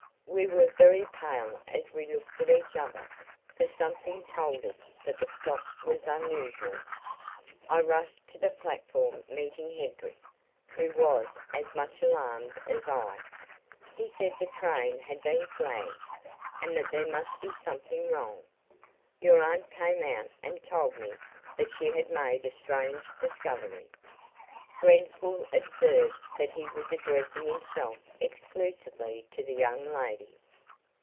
We were very pale as we looked at each other, for something told us that the stop was unusual. I rushed to the platform meeting Hedrick, who was as much alarmed as I. He said the train had been flagged, and that there must be something wrong. Your aunt came out and told me that she had made a strange discovery." Grenfall observed that he was addressing himself exclusively to the young lady.